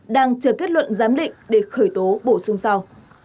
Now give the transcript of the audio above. đang chờ kết luận giám định để khởi tố bổ sung sau